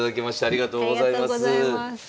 ありがとうございます。